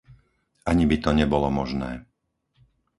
Ani by to nebolo možné.